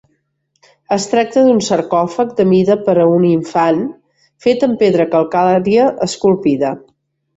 Es tracta d'un sarcòfag de mida per a un infant fet amb pedra calcària esculpida.